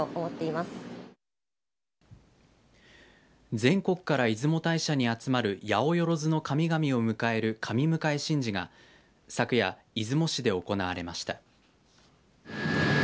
全国から出雲大社に集まるやおよろずの神々を迎える神迎神事が昨夜、出雲市で行われました。